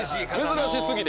珍し過ぎて。